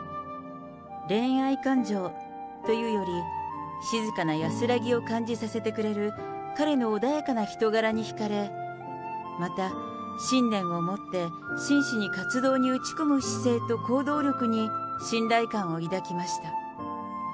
恋愛感情というより、静かな安らぎを感じさせてくれる、彼の穏やかな人柄に引かれ、また、信念を持って真摯に活動に打ち込む姿勢と行動力に信頼感を抱きました。